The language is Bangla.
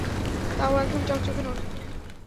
তাও একদম চকচকে নোট!